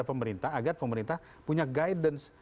yang pemerintah punya guidance